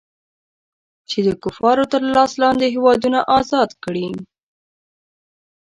چې د کفارو تر لاس لاندې هېوادونه ازاد کړي.